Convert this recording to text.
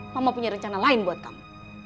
mama punya rencana lain buat kamu